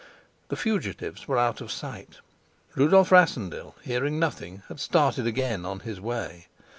The fugitives were out of sight. Rudolf Rassendyll, hearing nothing, had started again on his way.